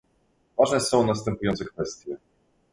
Ważne są następujące kwestie